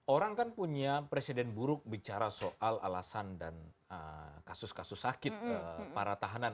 orang kan punya presiden buruk bicara soal alasan dan kasus kasus sakit para tahanan